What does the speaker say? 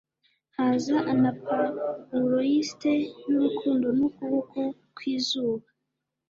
haza anapawuloiste y'urukundo n'ukuboko kwizuba